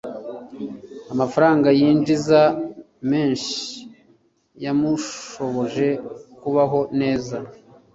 Amafaranga yinjiza menshi yamushoboje kubaho neza.